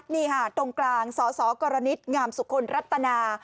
นี่ค่ะตรงกลางสสกรณิตงามสุคลรัตนา